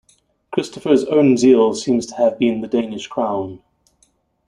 Christopher's own zeal seems to have been the Danish crown.